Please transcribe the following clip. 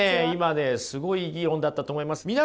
今ねすごいいい議論だったと思います。